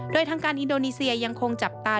โดยทางการอินโดนีเซียยังคงจับตา